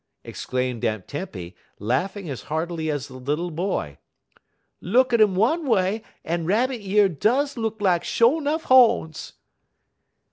exclaimed Aunt Tempy, laughing as heartily as the little boy. "Look at um one way, en Rabbit year does look lak sho' nuff ho'ns."